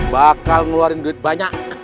bakal ngeluarin duit banyak